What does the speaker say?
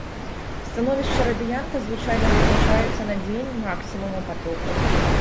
Становішча радыянта звычайна вызначаецца на дзень максімуму патоку.